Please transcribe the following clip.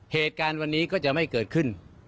เหตุการณ์วันนี้ก็จะไม่เกิดขึ้น